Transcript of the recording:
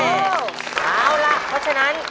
เอาล่ะเพราะฉะนั้น